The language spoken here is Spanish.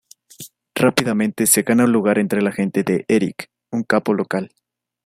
Rápidamente se gana un lugar entre la gente de Erik, un capo local.